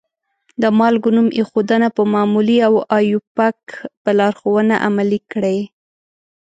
د مالګو نوم ایښودنه په معمولي او آیوپک په لارښودنه عملي کړئ.